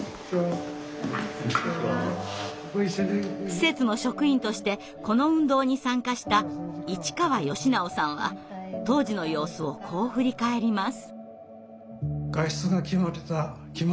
施設の職員としてこの運動に参加した市川義直さんは当時の様子をこう振り返ります。